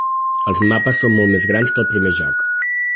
Els mapes són molt més grans que el primer joc.